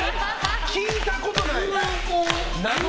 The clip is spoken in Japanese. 聞いたことない！